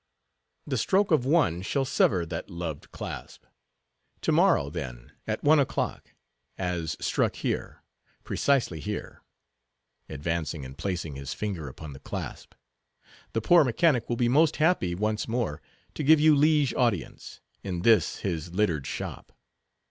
The stroke of one shall sever that loved clasp. To morrow, then, at one o'clock, as struck here, precisely here," advancing and placing his finger upon the clasp, "the poor mechanic will be most happy once more to give you liege audience, in this his littered shop.